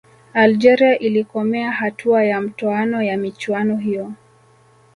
algeria ilikomea hatua ya mtoano ya michuano hiyo